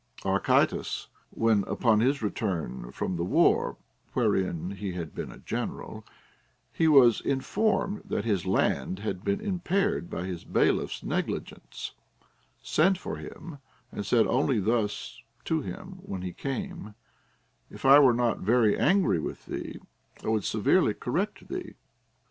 Archytas, when, upon his return from the war, wherein he had been a general, he was informed that his land had been impaired by his bailiff's negligence, sent for him, and said only thus to him when he came : If I were not very angry with thee, I would severely correct thee.